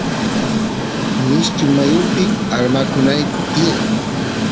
mishki mayupi armakunayku tiyan